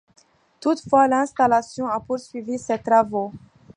Toutefois, l'installation a poursuivi ses travaux.